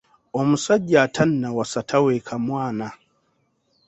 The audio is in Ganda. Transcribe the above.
Omusajja atannawasa taweeka mwana.